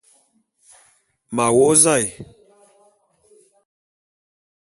M'a wô'ô zae.